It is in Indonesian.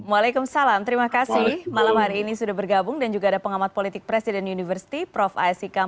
waalaikumsalam terima kasih malam hari ini sudah bergabung dan juga ada pengamat politik presiden university prof aisyikam